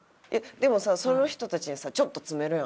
でもさその人たちにさちょっと詰めるやん。